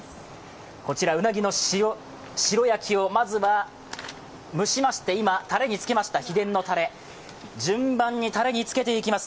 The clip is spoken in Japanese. こちら、うなぎの白焼きをまずは蒸しまして、今タレにつけました、秘伝のタレ、順番にタレにつけていきます。